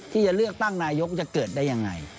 ที่จะเลือกตั้งนายกจะเกิดได้ยังไง